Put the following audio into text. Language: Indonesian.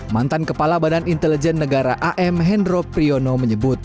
mantan kepala badan intelijen negara am hendro priyono menyebut